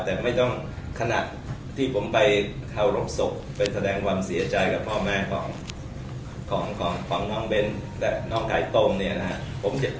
แต่ไม่ต้องขณะที่ผมไปเข้ารบศพเป็นแสดงความเสียใจกับพ่อแม่ของน้องเบนและน้องไข่ต้ม